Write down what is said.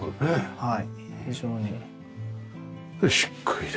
はい。